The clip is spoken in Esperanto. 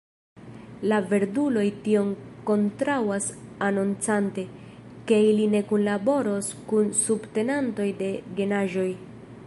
La verduloj tion kontraŭas, anoncante, ke ili ne kunlaboros kun subtenantoj de genaĵoj.